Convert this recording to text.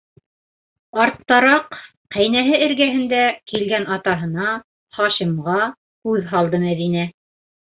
Арттараҡ, ҡәйнәһе эргәһендә килгән атаһына - Хашимға - күҙ һалды Мәҙинә.